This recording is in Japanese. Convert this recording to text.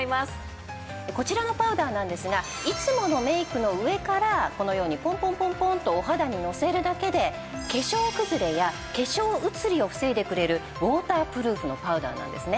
こちらのパウダーなんですがいつものメイクの上からこのようにポンポンポンポンとお肌にのせるだけで化粧くずれや化粧移りを防いでくれるウォータープルーフのパウダーなんですね。